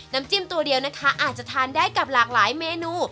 น้ำจิ้มตัวเดียวอาจจะทานได้กับหลาดหลายเมนู